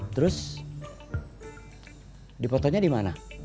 terus dipotonya di mana